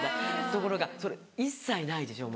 ところがそれ一切ないでしょ